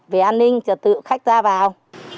về an ninh chờ tự khách ra vào